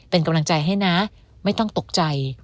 เป็นกำลังใจให้นะไม่ต้องตกใจ